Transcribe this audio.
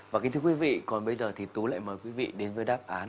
và kính thưa quý vị còn bây giờ thì tú lại mời quý vị đến với đáp án